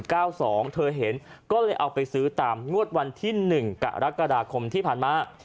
เธอเห็นก็เลยเอาไปซื้อตามงวดวันที่๑กรกฎาคมที่ผ่านมา